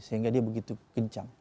sehingga dia begitu kencang